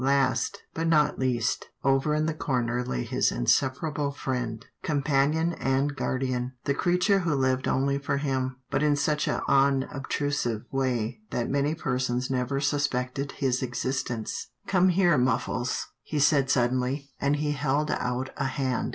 Last, but not least, over in the corner lay his inseparable friend, companion and guardian — the creature who lived only for him, but in such an unobtrusive way that many persons never suspected his existence. 53 54 'TILDA JANE'S ORPHANS " Come here, Muffles," he said suddenly, and he held out a hand.